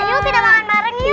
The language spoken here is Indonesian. yuk kita makan bareng yuk